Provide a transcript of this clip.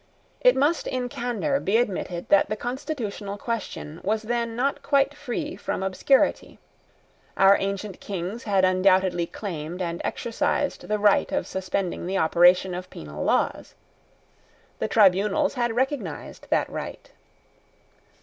It must in candour be admitted that the constitutional question was then not quite free from obscurity. Our ancient Kings had undoubtedly claimed and exercised the right of suspending the operation of penal laws. The tribunals had recognised that right.